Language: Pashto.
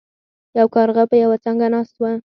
یو کارغه په یوه څانګه ناست و.